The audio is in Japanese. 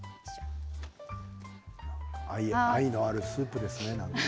愛のあるスープですね。